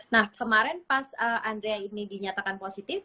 nah kemarin pas andrea ini dinyatakan positif